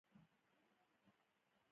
🍒 ګېلاس